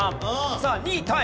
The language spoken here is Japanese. さあ２位タイ。